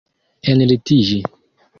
enlitiĝi